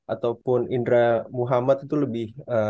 ataupun indra muhammad itu lebih